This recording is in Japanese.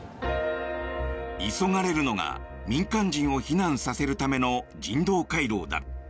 急がれるのが民間人を避難させるための人道回廊だ。